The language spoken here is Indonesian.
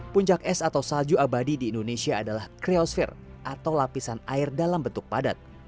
puncak es atau salju abadi di indonesia adalah creosfer atau lapisan air dalam bentuk padat